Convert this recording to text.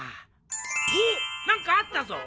おっ何かあったぞ。